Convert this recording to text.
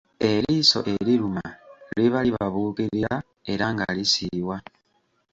Eriiso eriruma liba libabuukirira era nga lisiiwa.